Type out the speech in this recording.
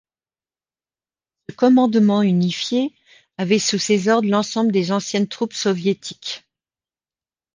Ce commandement unifié avait sous ses ordres l’ensemble des anciennes troupes soviétiques.